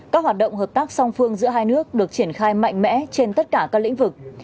các hoạt động hợp tác song phương giữa hai nước được triển khai mạnh mẽ trên tất cả các lĩnh vực